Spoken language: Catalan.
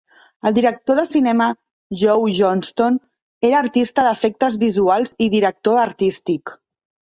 El director de cinema Joe Johnston era artista d'efectes visuals i director artístic.